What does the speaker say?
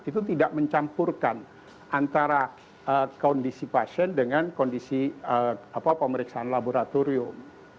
itu tidak mencampurkan antara kondisi pasien dengan kondisi pemeriksaan laboratorium